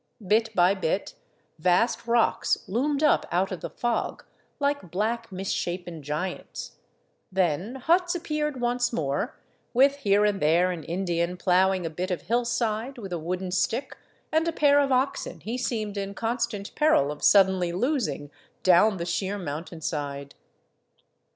Bit by bit vast rocks loomed up out of the fog, like black, misshapen giants; then huts appeared once more, with here and there an Indian plowing a bit of hillside with a wooden stick and a pair of oxen he seemed in constant peril of sud denly losing down the sheer mountain side.